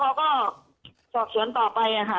แล้วเขาก็สอบส่วนต่อไปค่ะ